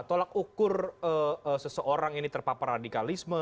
tolak ukur seseorang ini terpapar radikalisme